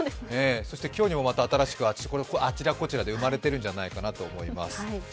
そして今日にも新しくあちらこちらで生まれてるんじゃないかなと思います。